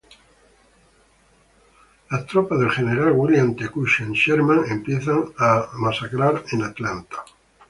Las tropas del General William Tecumseh Sherman empiezan a acercarse a Atlanta.